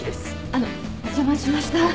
あのお邪魔しました